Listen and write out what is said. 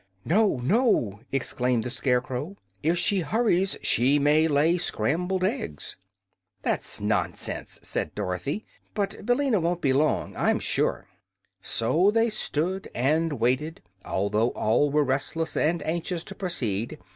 "No, no!" exclaimed the Scarecrow. "If she hurries she may lay scrambled eggs." "That's nonsense," said Dorothy. "But Billina won't be long, I'm sure." So they stood and waited, although all were restless and anxious to proceed.